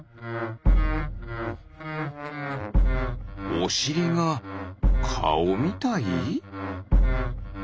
おしりがカオみたい？